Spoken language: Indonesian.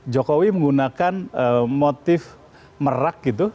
jokowi menggunakan motif merak gitu